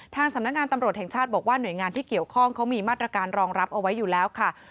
สำนักงานตำรวจแห่งชาติบอกว่าหน่วยงานที่เกี่ยวข้องเขามีมาตรการรองรับเอาไว้อยู่แล้วค่ะ